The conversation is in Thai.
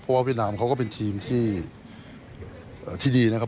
เพราะว่าเวียดนามเขาก็เป็นทีมที่ดีนะครับ